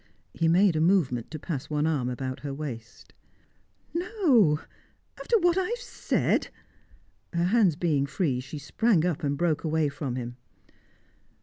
He made a movement to pass one arm about her waist. "No! After what I have said !" Her hands being free, she sprang up and broke away from him.